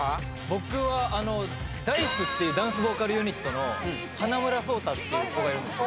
僕はあのＤａ−ｉＣＥっていうダンスボーカルユニットの花村想太っていう子がいるんです